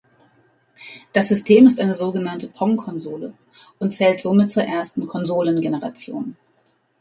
Das System ist eine sogenannte Pong-Konsole und zählt somit zur ersten Konsolengeneration.